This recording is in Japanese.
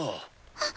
あっ。